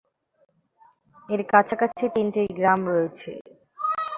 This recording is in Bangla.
এর কাছাকাছি তিনটি গ্রাম রয়েছে।